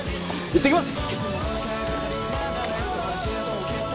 行ってきます。